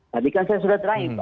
tadi kan saya sudah terangin